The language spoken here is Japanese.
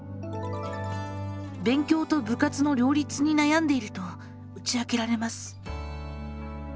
勉強と部活の両立に悩んでいると打ち明けられます。